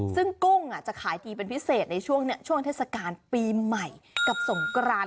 ซึ่งกุ้งจะขายดีเป็นพิเศษในช่วงเทศกาลปีใหม่กับสงกราน